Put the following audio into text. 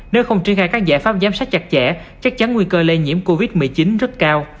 nếu không triển khai các giải pháp giám sát chặt chẽ chắc chắn nguy cơ lây nhiễm covid một mươi chín rất cao